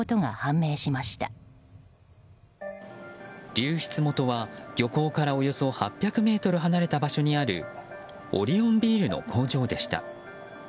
流出元は、漁港からおよそ８００ｍ離れた場所にあるオリオンビールの工場でした。